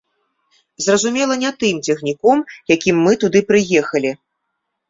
Зразумела, не тым цягніком, якім мы туды прыехалі.